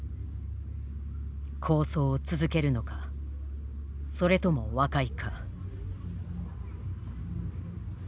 抗争を続けるのかそれとも和解か。